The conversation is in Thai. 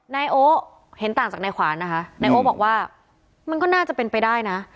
นายโอ๊เห็นต่างจากนายขวานนะคะนายโอ๊บอกว่ามันก็น่าจะเป็นไปได้นะ